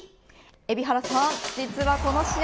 海老原さん実はこの試合